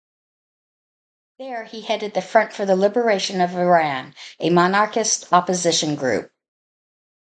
There he headed the Front for the Liberation of Iran, a monarchist opposition group.